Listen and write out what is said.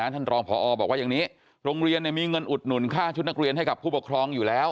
ท่านมันบอกว่าอย่างนี้โรงเรียนมีเงินหุดหนุนค่าชุดนักเรียน